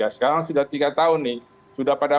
sekarang sudah tiga tahun nih sudah pada